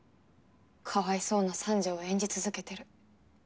かわいそうな三女を演じ続けてる。